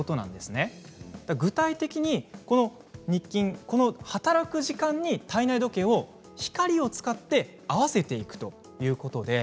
具体的には働く時間に体内時計を光を使って合わせていくということなんです。